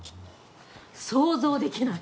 想像できない。